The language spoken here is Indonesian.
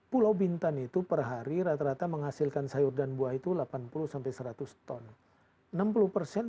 pulau bintan itu per hari rata rata menghasilkan sayur dan buah itu delapan puluh sampai seratus ton